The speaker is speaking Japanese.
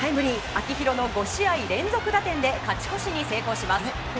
秋広の５試合連続打点で勝ち越しに成功します。